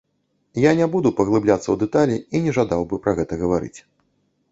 Я не буду паглыбляцца ў дэталі і не жадаў бы пра гэта гаварыць.